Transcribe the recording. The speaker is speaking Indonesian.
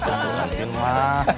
aduh langsung lah